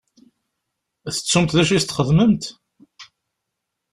Tettumt d acu i s-txedmemt?